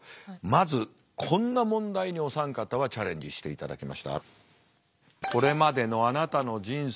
まずこんな問題にお三方はチャレンジしていただきました。